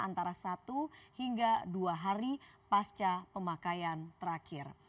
antara satu hingga dua hari pasca pemakaian terakhir